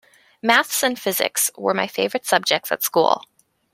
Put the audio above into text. Maths and physics were my favourite subjects at school